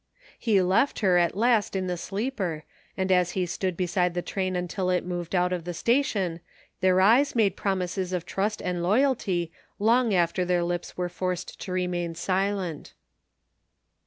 He left her, at last, in the sleeper, and as he stood beside the train until it moved out of the station, their eyes made promises of trust and loyalty long after their lips were forced to remain silent.